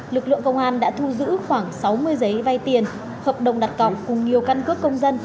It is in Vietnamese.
lực lượng công an đã thu giữ khoảng sáu mươi giấy vay tiền hợp đồng đặt cọng cùng nhiều căn cước công dân